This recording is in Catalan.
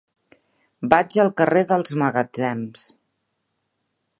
Vaig al carrer dels Magatzems.